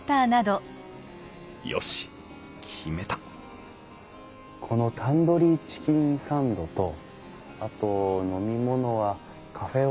よし決めたこのタンドリーチキンサンドとあと飲み物はカフェオレをお願いします。